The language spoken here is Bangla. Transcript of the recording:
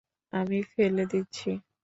আমি ফেলে দিচ্ছি।